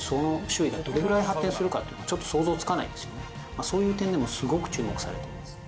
まあそういう点でもすごく注目されています